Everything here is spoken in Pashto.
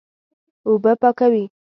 اوبه پاکوي.